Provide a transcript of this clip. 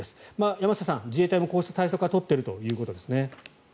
山下さん、自衛隊もこうした対策は取っているということですね。